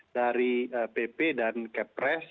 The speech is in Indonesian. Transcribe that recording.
dari pp dan kepres